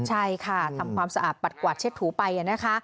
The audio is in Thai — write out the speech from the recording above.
ใช่ค่ะทำความสะอาดปัดกวาดเช็ดถูไปนะคะ